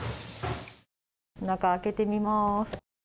中、開けてみます。